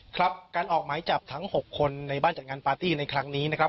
ครับการออกหมายจับทั้ง๖คนในบ้านจัดงานปาร์ตี้ในครั้งนี้นะครับ